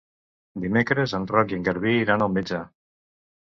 Dimecres en Roc i en Garbí iran al metge.